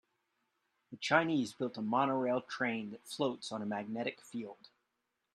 The Chinese built a monorail train that floats on a magnetic field.